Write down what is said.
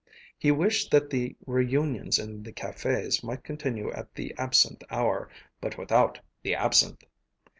He wished that the reunions in the cafés might continue at the absinthe hour, but without the absinthe!